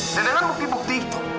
dan dengan bukti bukti itu